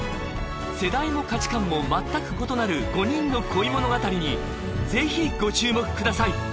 世代も価値観も全く異なる５人の恋物語にぜひご注目ください